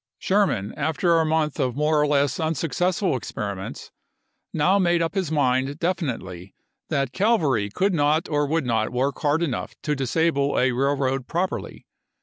Sherman, after a month of more or less unsuc cessful experiments, now made up his mind defi nitely that cavalry could not or would not work hard enough to disable a railroad properly.